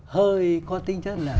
hơi có tin chắc là